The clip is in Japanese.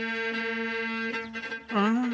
うん？